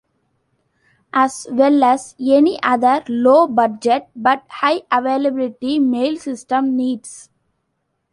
As well as any other low-budget but high availability mail system needs.